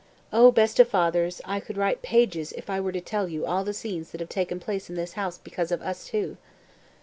O, best of fathers, I could write pages if I were to tell you all the scenes that have taken place in this house because of us two....